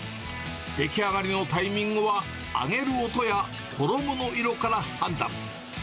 出来上がりのタイミングは、揚げる音や衣の色から判断。